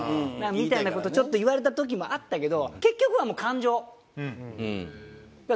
みたいな事をちょっと言われた時もあったけど。